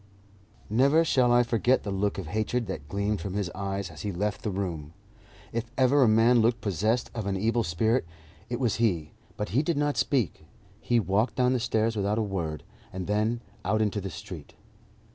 Never shall I forget the look of hatred that gleamed from his eyes as he left the room. If ever a man looked possessed of an evil spirit, it was he; but he did not speak. He walked down the stairs without a word, and then out into the street.